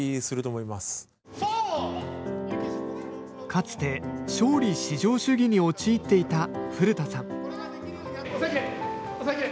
かつて勝利至上主義に陥っていた古田さんおさえて！